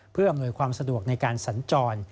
เพื่ออำนวยความสะดวกในการสัญจร